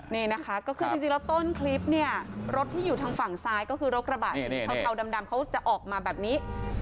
นี่นะคะก็คือจริงแล้วต้นคลิปเนี่ยรถที่อยู่ทางฝั่งซ้ายก็คือรถกระบะเทาดำเขาจะออกมาแบบนี้